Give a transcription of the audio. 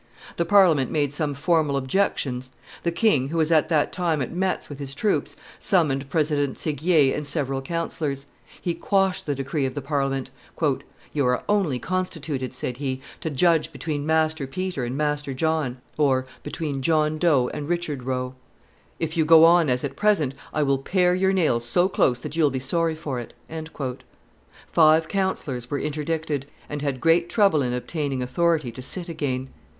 The Parliament made some formal objections the king, who was at that time at Metz with his troops, summoned President Seguier and several counsellors. He quashed the decree of the Parliament. "You are only constituted," said he, "to judge between Master Peter and Master John (between John Doe and Richard Roe); if you go on as at present, I will pare your nails so close that you'll be sorry for it." Five counsellors were interdicted, and had great trouble in obtaining authority to sit again.